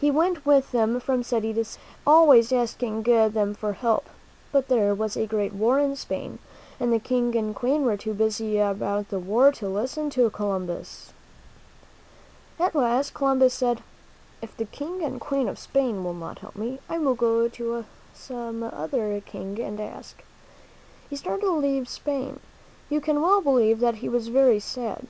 He went with them from city to city, always asking them for help. But there was a great war in Spain, and the King and Queen were too busy about the war to listen to Columbus. At last Columbus said: "If the King and W^ Queen of Spain will not help me, I will go to some other king and ask." He started to leave Spain. You can well believe that he was very sad.